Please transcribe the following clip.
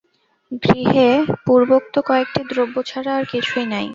গৃহে পূর্বোক্ত কয়েকটি দ্রব্য ছাড়া আর কিছুই নাই।